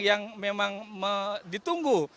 yang memang ditunggu